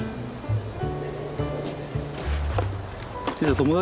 友達？